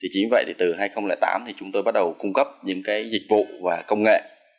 chính vì vậy từ hai nghìn tám thì chúng tôi bắt đầu cung cấp những dịch vụ và công nghệ